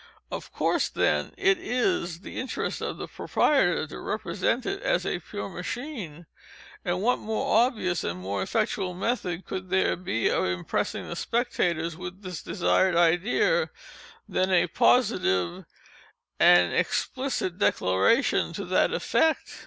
Of course, then, it is the interest of the proprietor to represent it as a pure machine. And what more obvious, and more effectual method could there be of impressing the spectators with this desired idea, than a positive and explicit declaration to that effect?